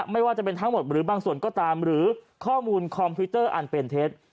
ไม่ว่าจะเป็นทั้งหมดหรือบางส่วนก็ตามหรือข้อมูลคอมพิวเตอร์อันเป็นเท็จ